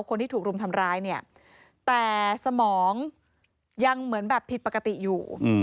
คนที่ถูกรุมทำร้ายเนี่ยแต่สมองยังเหมือนแบบผิดปกติอยู่